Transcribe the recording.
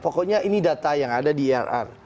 pokoknya ini data yang ada di irr